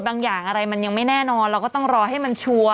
อย่างอะไรมันยังไม่แน่นอนเราก็ต้องรอให้มันชัวร์